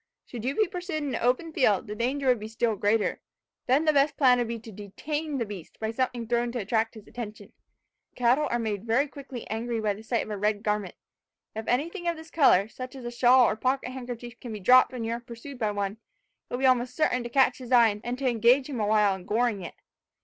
Should you be pursued in an open field, the danger would be still greater. Then the best plan would be to detain the beast by something thrown to attract his attention. Cattle are made very quickly angry by the sight of a red garment. If anything of this colour, such as a shawl or pocket handkerchief can be dropped when you are pursued by one, it will be almost certain to catch his eye, and to engage him awhile in goring it.